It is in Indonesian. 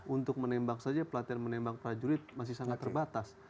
untuk menembak saja pelatihan menembak prajurit masih sangat terbatas